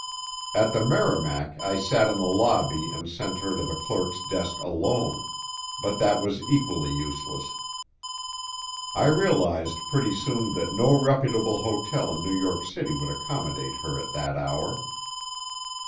At the Merrimac I sat down in the lobby and sent her to the clerk's desk alone, but that was equally useless. I realized pretty soon that no reputable hotel in New York City would accommodate her at that hour.